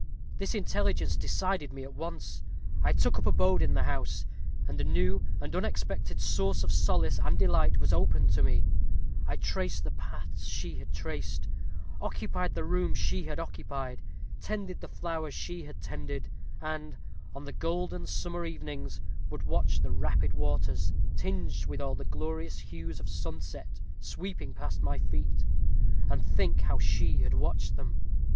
This intelligence decided me at once I took up my abode in the house; and a new and unexpected source of solace and delight was opened to me, I traced the paths she had traced; occupied the room she had occupied; tended the flowers she had tended; and, on the golden summer evenings, would watch the rapid waters, tinged with all the glorious hues of sunset, sweeping past my feet, and think how she had watched them.